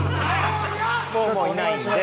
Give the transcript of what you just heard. もういないんで。